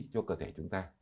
cho cơ thể chúng ta